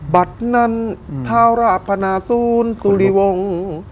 บัตรนั้นทาราพนาศูนย์สุริวงศ์